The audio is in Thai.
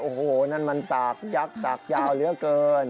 โอ้โหนั่นมันสากยักษ์สากยาวเหลือเกิน